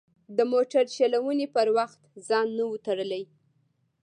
د موټر چلونې پر وخت ځان نه و تړلی.